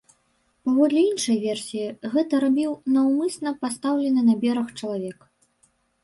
Паводле іншай версіі, гэта рабіў наўмысна пастаўлены на бераг чалавек.